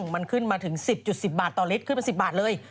มันขึ้นมาถึง๑๐๑๐บาทต่อลิตรขึ้นเป็น๑๐บาทเลย